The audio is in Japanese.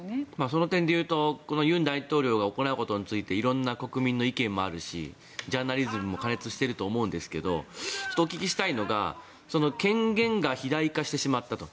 その点でいうと尹大統領が行うことについていろんな国民の意見もあるしジャーナリズムも過熱してると思うんですけどお聞きしたいのが権限が肥大化してしまったと。